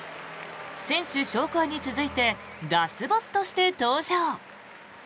選手紹介に続いてラスボスとして登場。